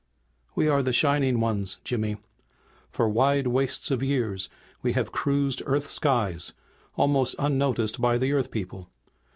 "We are the Shining Ones, Jimmy! For wide wastes of years we have cruised Earth's skies, almost unnoticed by the Earth people.